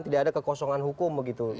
tidak ada kekosongan hukum begitu